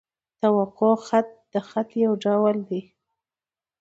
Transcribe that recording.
توقع خط؛ د خط یو ډول دﺉ.